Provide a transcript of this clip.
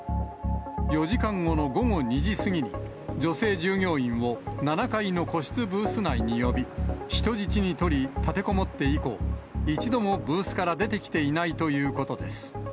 ４時間後の午後２時過ぎに、女性従業員を７階の個室ブース内に呼び、人質に取り、立てこもって以降、一度もブースから出てきていないということです。